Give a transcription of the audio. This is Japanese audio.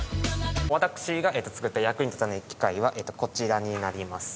私が作った役に立たない機械はこちらになります。